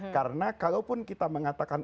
karena kalau pun kita mengatakan